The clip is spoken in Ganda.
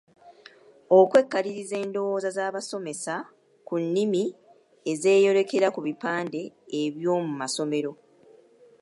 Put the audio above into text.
Okwekkaliriza endowooza z'abasomesa ku nnimi ezeeyolekera ku bipande eby'omu masomero.